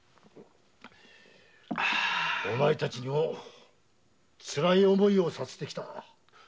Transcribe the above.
お前たちにも辛い思いをさせてきた。